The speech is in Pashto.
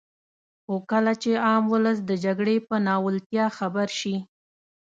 خو کله چې عام ولس د جګړې په ناولتیا خبر شي.